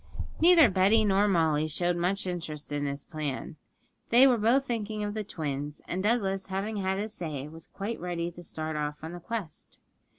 Neither Betty nor Molly showed much interest in this plan; they were both thinking of the twins, and Douglas, having said his say, was quite ready to start off on the quest.